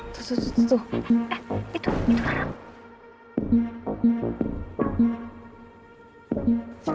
tuh tuh tuh tuh tuh eh itu itu rara